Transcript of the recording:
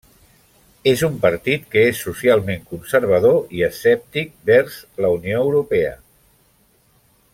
És un partit que és socialment conservador i escèptic vers la Unió Europea.